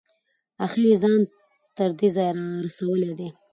اخیر یې ځان تر دې ځایه رسولی دی.